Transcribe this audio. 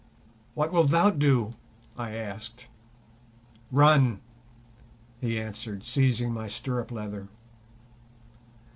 "What wilt thou do?" I asked. "Run," he answered, seizing my stirrup leather.